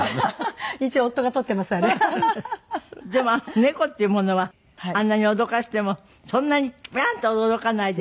でも猫っていうものはあんなに脅かしてもそんなにビャッと驚かないで。